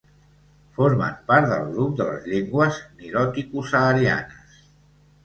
Formen part del grup de les llengües niloticosaharianes.